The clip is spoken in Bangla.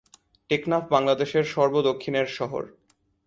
টেকনাফ বাংলাদেশের সর্ব দক্ষিণের শহর।